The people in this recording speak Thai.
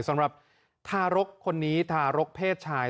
สำหรับทารกคนนี้ทารกเพศชาย